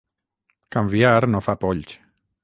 Canviar no fa polls.